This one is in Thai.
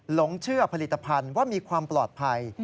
หลงเชื่อผลิตภัณฑ์ว่ามีความปลอดภัย